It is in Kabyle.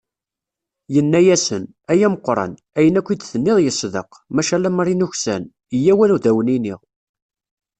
Yenna-asen: "Ay ameqqran, ayen akk i d-tenniḍ yesdeq, maca lemmer i nuksan, yyaw ad awen-iniɣ."